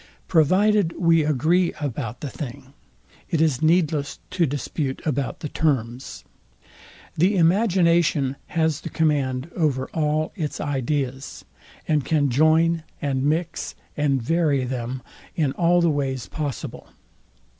Provided we agree about the thing, it is needless to dispute about the terms. The imagination has the command over all its ideas, and can join, and mix, and vary them in all the ways possible.